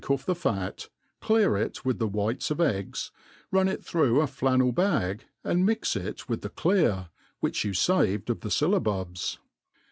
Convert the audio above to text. off the fit, clear it with the whites of eggs', run it through a flannel bag, and mix it with the clear, which you faved of the fylla bubs.